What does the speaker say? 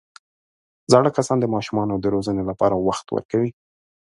زاړه کسان د ماشومانو د روزنې لپاره وخت ورکوي